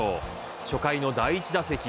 初回の第１打席。